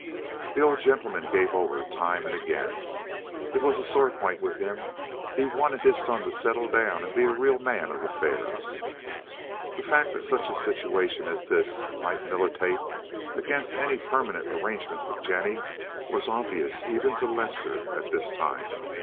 The old gentleman gave over, time and again, but it was a sore point with him. He wanted his son to settle down and be a real man of affairs. The fact that such a situation as this might militate against any permanent arrangement with Jennie was obvious even to Lester at this time.